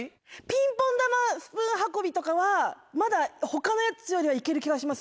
ピンポン球スプーン運びとかはまだ他のやつよりは行ける気がします。